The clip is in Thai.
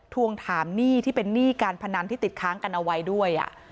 ทวงถามหนี้ที่เป็นหนี้การพนันที่ติดค้างกันเอาไว้ด้วย